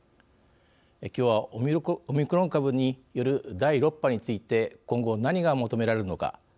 きょうはオミクロン株による第６波について今後何が求められるのか。